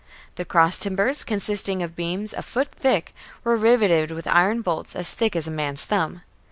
The cross timbers, consisting of beams a foot thick, were riveted with iron bolts as thick as a man's thumb.